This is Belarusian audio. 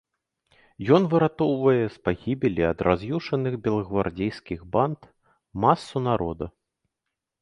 Ён выратоўвае з пагібелі ад раз'юшаных белагвардзейскіх банд масу народа.